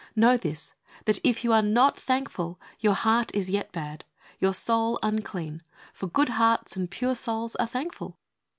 Know this, that if you are not thankful your heart is yet bad, your soul unclean, for good hearts and pure souls are thankful.